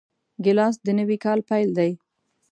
ګیلاس د نوي کاله پیل دی.